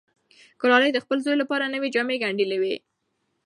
ګلالۍ د خپل زوی لپاره نوې جامې ګنډلې وې.